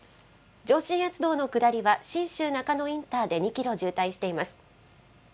上信越道の下りは、信州なかのインターで２キロ渋滞しています。